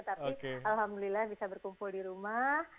tapi alhamdulillah bisa berkumpul di rumah